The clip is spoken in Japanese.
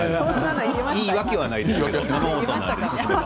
いいわけではないですよ。